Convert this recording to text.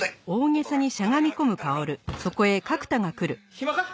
暇か？